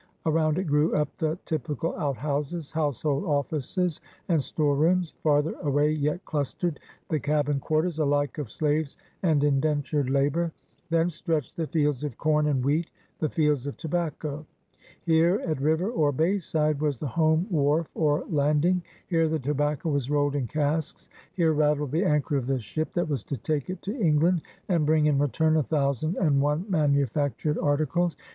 Around it grew up the typical out houses, household offices, and storerooms; farther away yet clustered the cabin quarters alike of slaves and indentured labor. Then stretched the fields of com and wheat, the fields of tobacco. Here, at river or bay side, was the home wharf or landing. Here the tobacco was rolled in casks; here rattled the anchor of the ship that was to take it to England and bring in return a thousand and one manufactured articles.